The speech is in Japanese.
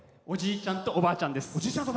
ちゃんとおばあちゃんです。